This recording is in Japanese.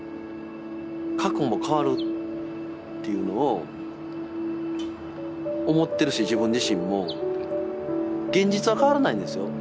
過去も変わるっていうのを思ってるし自分自身も現実は変わらないんですよ